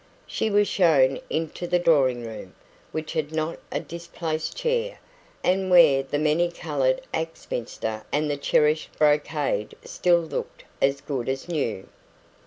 She was shown into the drawing room, which had not a displaced chair, and where the many coloured Axminster and the cherished brocade still looked as good as new.